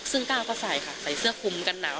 ซึ่งก้าวก็ใส่ค่ะใส่เสื้อคุมกันหนาว